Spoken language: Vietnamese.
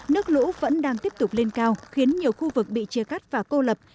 nước lũ vẫn đang tiếp tục lên cao khiến nhiều khu vực bị chia cắt và cô lập